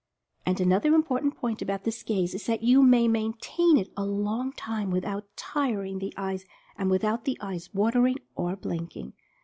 And another important point about this gaze is that you may maintain it a long time without tiring the eyes, and without the eyes watering or blinking.